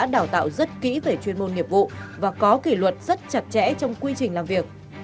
đào tạo rất kỹ về chuyên môn nghiệp vụ và có kỷ luật rất chặt chẽ trong quy trình làm việc